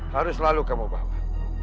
harus selalu kamu bawa